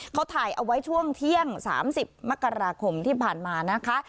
เขาถ่ายเอาไว้ช่วงเที่ยง๓๐มกราคมที่ผ่านมานะคะ